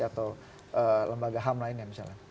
atau lembaga ham lainnya misalnya